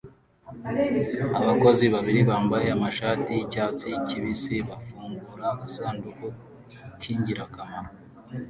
Abakozi babiri bambaye amashati yicyatsi kibisi bafungura agasanduku k'ingirakamaro